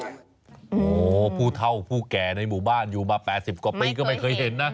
โอ้โหผู้เท่าผู้แก่ในหมู่บ้านอยู่มา๘๐กว่าปีก็ไม่เคยเห็นนะ